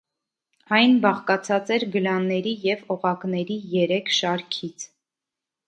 Այն բաղկացած էր գլանների և օղակների երեք շարքից։